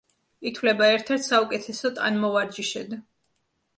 ითვლება ერთ-ერთ საუკეთესო ტანმოვარჯიშედ.